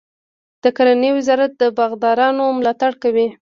د کرنې وزارت د باغدارانو ملاتړ کوي.